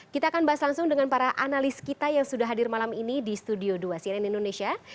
kita akan bahas langsung dengan para analis kita yang sudah hadir malam ini di studio dua cnn indonesia